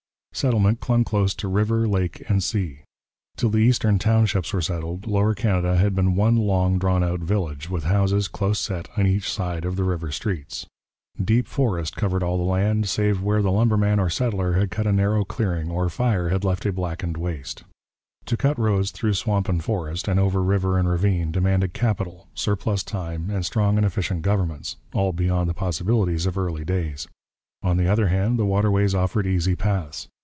Settlement clung close to river, lake, and sea. Till the Eastern Townships were settled, Lower Canada had been one long drawn out village with houses close set on each side of the river streets. Deep forest covered all the land save where the lumberman or settler had cut a narrow clearing or fire had left a blackened waste. To cut roads through swamp and forest and over river and ravine demanded capital, surplus time, and strong and efficient governments, all beyond the possibilities of early days. On the other hand, the waterways offered easy paths.